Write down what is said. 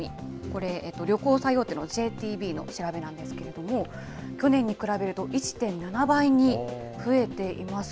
これ、旅行最大手のＪＴＢの調べなんですけれども、去年に比べると１．７倍に増えています。